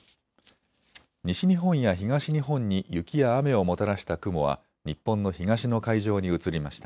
西日本や東日本に雪や雨をもたらした雲は日本の東の海上に移りました。